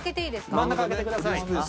真ん中開けてください。